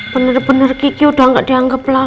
bener bener kiki udah gak dianggap kaya apa